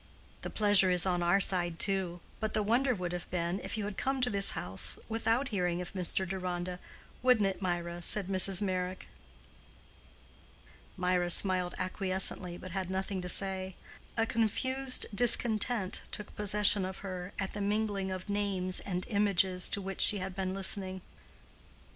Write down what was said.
"The pleasure is on our side too; but the wonder would have been, if you had come to this house without hearing of Mr. Deronda—wouldn't it, Mirah?" said Mrs. Meyrick. Mirah smiled acquiescently, but had nothing to say. A confused discontent took possession of her at the mingling of names and images to which she had been listening.